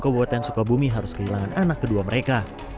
kabupaten sukabumi harus kehilangan anak kedua mereka